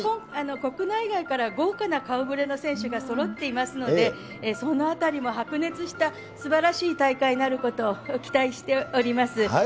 国内外から豪華な顔ぶれの選手がそろっていますので、そのあたりも白熱したすばらしい大会になることを期待しております。